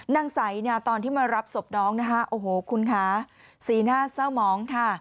นางไสตอนที่มารับศพน้องโอ้โหคุณค่ะสีหน้าเศร้าหมองค่ะ